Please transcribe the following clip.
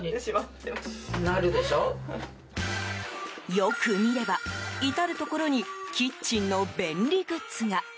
よく見れば、至るところにキッチンの便利グッズが。